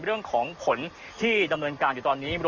เรื่องของผลที่ดำเนินการอยู่ตอนนี้